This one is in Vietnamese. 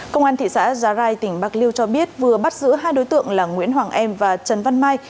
công an thị xã giá rai tỉnh bạc liêu cho biết vừa bắt giữ hai đối tượng là nguyễn hoàng em và trần văn mai